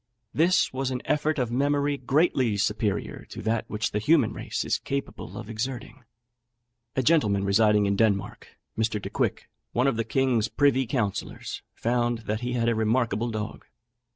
This was an effort of memory greatly superior to that which the human race is capable of exerting." A gentleman residing in Denmark, Mr. Decouick, one of the king's privy councillors, found that he had a remarkable dog.